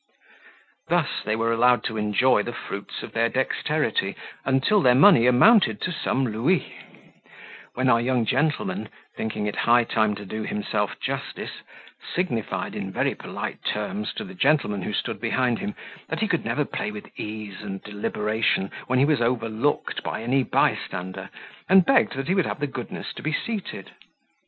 Thus they were allowed to enjoy the fruits of their dexterity, until their money amounted to some louis; when our young gentleman, thinking it high time to do himself justice, signified in very polite terms to the gentleman who stood behind him, that he could never play with ease and deliberation when he was overlooked by any bystander, and begged that he would have the goodness to be seated.